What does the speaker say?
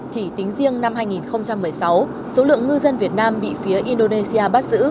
chỉ tính riêng năm hai nghìn một mươi sáu số lượng ngư dân việt nam bị phía indonesia bắt giữ